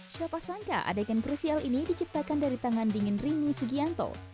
siapa sangka adegan krusial ini diciptakan dari tangan dingin rini sugianto